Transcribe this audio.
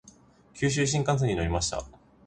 九州新幹線に乗りました。